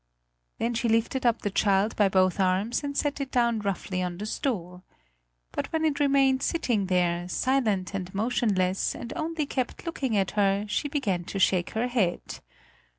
Then she lifted up the child by both arms and set it down roughly on the stool. But when it remained sitting there, silent and motionless and only kept looking at her, she began to shake her head.